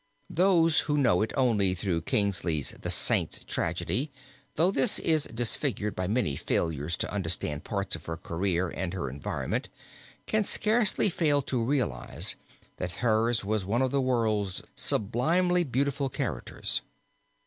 Those who know it only through Kingsley's, "The Saint's Tragedy," though this is disfigured by many failures to understand parts of her career and her environment, can scarcely fail to realize that hers was one of the world's sublimely beautiful characters.